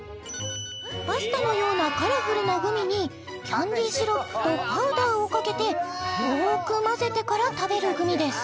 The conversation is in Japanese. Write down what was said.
パスタのようなカラフルなグミにキャンディーシロップとパウダーをかけてよーく混ぜてから食べるグミです・